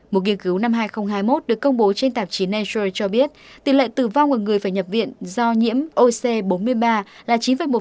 một nghiên cứu năm hai nghìn hai mươi một được công bố trên tạp chí nature cho biết tỷ lệ tử vong ở người phải nhập viện do nhiễm oc bốn mươi ba là chín một